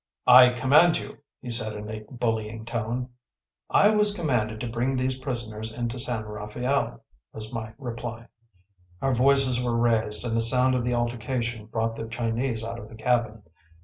“I command you,‚ÄĚ he said in a bullying tone. “I was commanded to bring these prisoners into San Rafael,‚ÄĚ was my reply. Our voices were raised, and the sound of the altercation brought the Chinese out of the cabin.